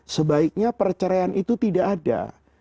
sebaiknya perceraian itu tidak ada